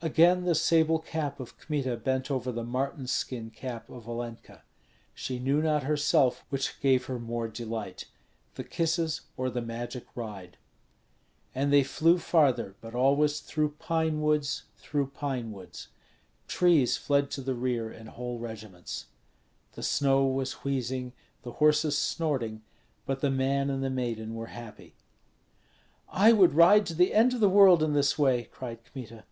Again the sable cap of Kmita bent over the marten skin cap of Olenka. She knew not herself which gave her more delight, the kisses or the magic ride. And they flew farther, but always through pine woods, through pine woods. Trees fled to the rear in whole regiments. The snow was wheezing, the horses snorting; but the man and the maiden were happy. "I would ride to the end of the world in this way," cried Kmita.